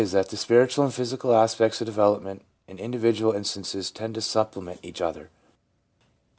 that the spiritual and physical aspects of development in individual instances tend to supplement each other.